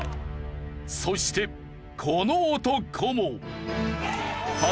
そしてこの男も。